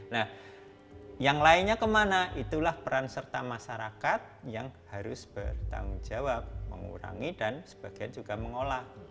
nah yang lainnya kemana itulah peran serta masyarakat yang harus bertanggung jawab mengurangi dan sebagian juga mengolah